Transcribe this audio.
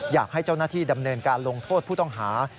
อยากให้เจ้าหน้าที่ดำเนินการลงโทษผู้ต้องหา